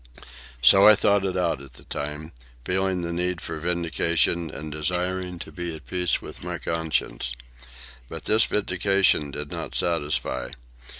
So I thought it out at the time, feeling the need for vindication and desiring to be at peace with my conscience. But this vindication did not satisfy.